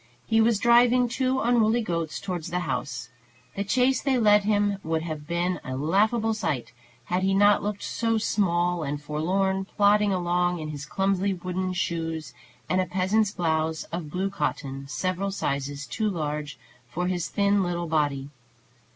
He was driving two unruly goats towards the house. The chase they led him would have been a laughable sight, had he not looked so small and forlorn plodding along in his clumsy wooden shoes, and a peasant's blouse of blue cotton, several sizes too large for his thin little body.